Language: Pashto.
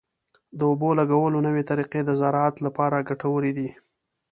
د اوبو لګولو نوې طریقې د زراعت لپاره ګټورې دي.